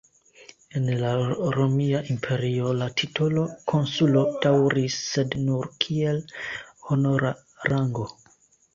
En la Romia Imperio la titolo "konsulo" daŭris, sed nur kiel honora rango.